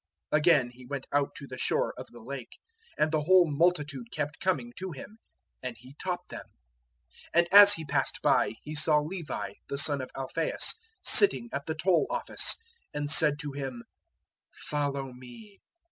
002:013 Again He went out to the shore of the Lake, and the whole multitude kept coming to Him, and He taught them. 002:014 And as He passed by, He saw Levi the son of Alphaeus sitting at the Toll Office, and said to him, "Follow me."